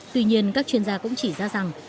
tuy nhiên các chuyên gia cũng chỉ ra rằng